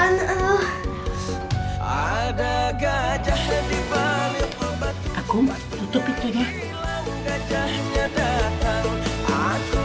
biasa aja kali ketawaannya dang